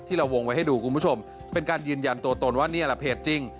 เราวงไว้ให้ดูคุณผู้ชมเป็นการยืนยันตัวตนว่านี่แหละเพจจริง